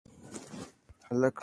هلک لکه توپ پر دېوال ولگېد.